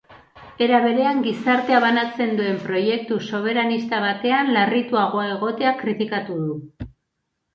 Era berean, gizartea banatzen duen proiektu soberanista batean larrituagoa egotea kritikatu du.